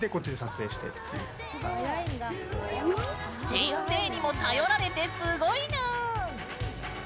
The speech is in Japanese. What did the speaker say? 先生にも頼られてすごいぬーん。